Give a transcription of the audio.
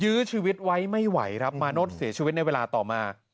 ยื้อชีวิตไว้ไม่ไหวครับมาโน้ตเสียชีวิตในเวลาต่อมา